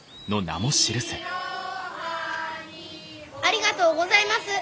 ありがとうございます。